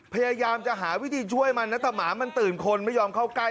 พยายามจะหาวิธีช่วยมันนะแต่หมามันตื่นคนไม่ยอมเข้าใกล้